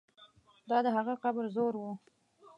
دا د هغه قبر زور وو.